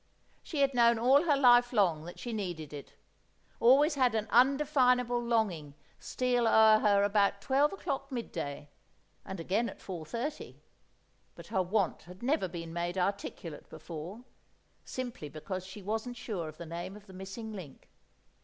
She had known all her life long that she needed it—always had an undefinable longing steal o'er her about twelve o'clock midday and again at four thirty—but her want had never been made articulate before, simply because she wasn't sure of the name of the missing link.